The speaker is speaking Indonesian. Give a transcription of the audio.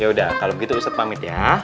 yaudah kalau begitu ustadz pamit ya